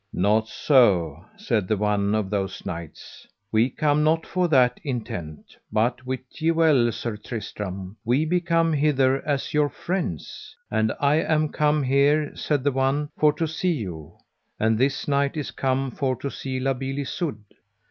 Not so, said the one of those knights, we come not for that intent, but wit ye well Sir Tristram, we be come hither as your friends. And I am come here, said the one, for to see you, and this knight is come for to see La Beale Isoud.